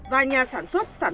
và nhà sản xuất sản phẩm rõ ràng